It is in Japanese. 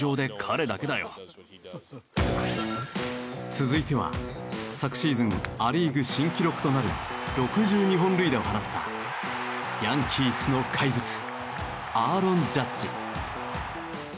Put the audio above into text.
続いては昨シーズンア・リーグ新記録となる６２本塁打を放ったヤンキースの怪物アーロン・ジャッジ。